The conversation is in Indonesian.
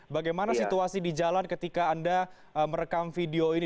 bagaimana situasi di jalan ketika anda merekam video ini